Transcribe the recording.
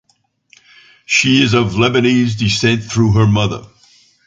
She is of Lebanese descent through her mother.